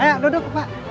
ayo duduk pak